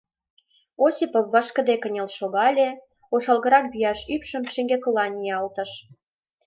Осипов вашкыде кынел шогале, ошалгырак вияш ӱпшым шеҥгекыла ниялтыш.